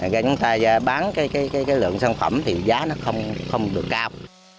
khi chúng ta bán cái lượng sản phẩm thì giá nó không được cao